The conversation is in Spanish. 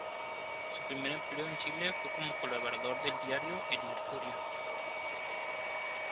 Su primer empleo en Chile fue como colaborador del diario "El Mercurio".